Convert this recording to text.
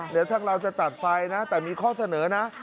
เดี๋ยวทางเราจะตัดไฟนะแต่มีข้อเสนอนะ